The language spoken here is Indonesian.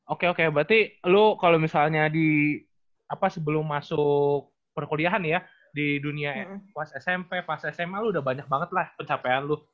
oke oke berarti lu kalau misalnya di apa sebelum masuk perkuliahan ya di dunia pas smp pas sma lo udah banyak banget lah pencapaian lu